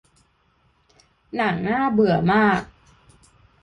หนังน่าเบื่อมาก